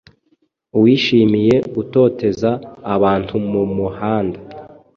uwishimiye gutoteza abantumumuhanda